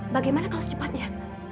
bagaimana kalau secepatnya